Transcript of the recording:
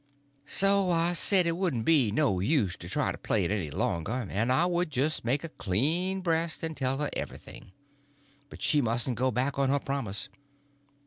So I said it wouldn't be no use to try to play it any longer, and I would just make a clean breast and tell her everything, but she musn't go back on her promise.